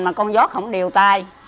mà con vót không điều tai